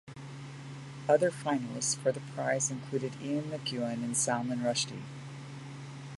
Other finalists for the prize included Ian McEwan and Salman Rushdie.